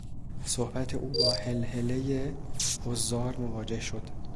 صحبت او با هلهلهی حضار مواجه شد.